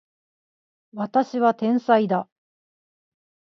私は天才だ